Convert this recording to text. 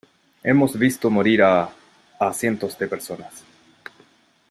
hemos visto morir a... a cientos de personas .